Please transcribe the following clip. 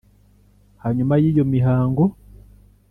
Hanyuma yiyo mihango